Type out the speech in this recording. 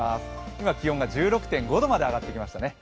今、気温が１６．５度まで上がってきましたね。